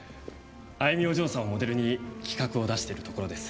愛美お嬢さんをモデルに企画を出しているところです。